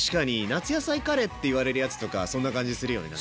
夏野菜カレーっていわれるやつとかそんな感じするよね。